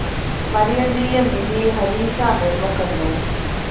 މަރިޔަންދީ އަށް މިވީ ހަލީސާ މެރުމަކަށް ނޫން